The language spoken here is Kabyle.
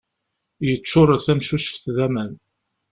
Yeččur tamcuceft d aman.